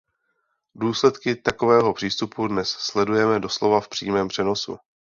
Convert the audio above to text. Důsledky takového přístupu dnes sledujeme doslova v přímém přenosu.